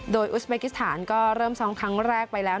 โดยอุสเบกิสถานก็เริ่มซ้อมครั้งแรกไปแล้ว